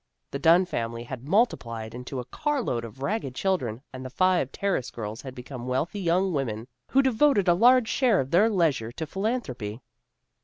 The Dunn family had multiplied into a car load of ragged chil dren and the five Terrace girls had become wealthy young women who devoted a large share of their leisure to philanthropy.